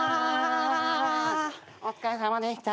お疲れさまでした。